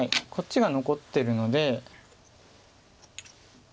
こっちが残ってるので。